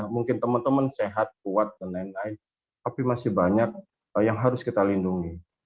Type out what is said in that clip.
mungkin teman teman sehat kuat dan lain lain tapi masih banyak yang harus kita lindungi